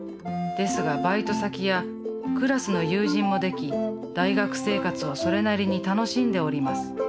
ですがバイト先やクラスの友人もでき大学生活をそれなりに楽しんでおります。